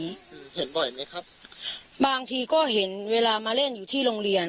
คือเห็นบ่อยไหมครับบางทีก็เห็นเวลามาเล่นอยู่ที่โรงเรียน